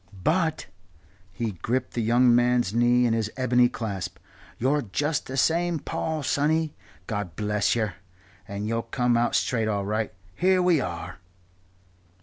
"But" he gripped the young man's knee in his bony clasp "you're just the same Paul, sonny, God bless yer and you'll come out straight all right. Here we are."